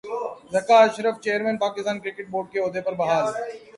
Zaka Ashraf chairman Pakistan cricket board کے عہدے پر بحال